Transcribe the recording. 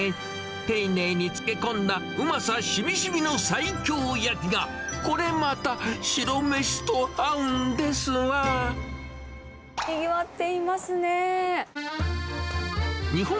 丁寧に漬けこんだうまさしみしみの西京焼きが、これまた、白飯とにぎわっていますねー。